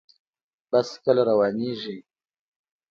بس کله روانیږي؟